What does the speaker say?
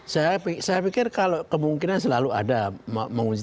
saya pikir kalau kemungkinan selalu ada menguji